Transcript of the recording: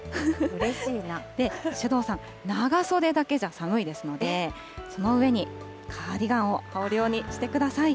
首藤さん、長袖だけじゃ寒いですので、その上にカーディガンを羽織るようにしてください。